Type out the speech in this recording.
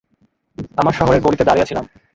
আমরা শহরের গলিতে দাড়িয়েঁছিলাম।